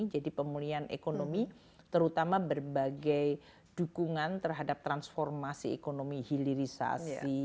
jadi pemulihan ekonomi terutama berbagai dukungan terhadap transformasi ekonomi hilirisasi